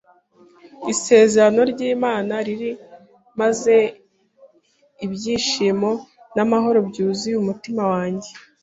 isezerano ry’Imana riri, maze ibyishimo n’amahoro byuzura umutima wanjye